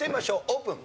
オープン！